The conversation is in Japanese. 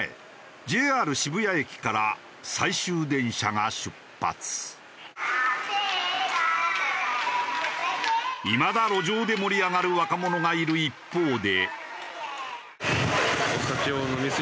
ＪＲ渋谷駅からいまだ路上で盛り上がる若者がいる一方で。